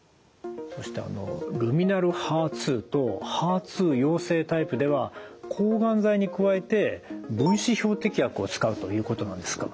そしてあのルミナルＨＥＲ２とＨＥＲ２陽性タイプでは抗がん剤に加えて分子標的薬を使うということなんですか。